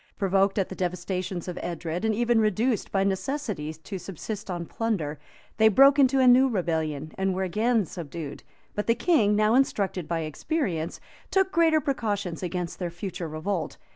Provoked at the devastations of Edred, and even reduced by necessity to subsist on plunder, they broke into a new rebellion, and were again subdued; but the king, now instructed by experience, took greater precautions against their future revolt.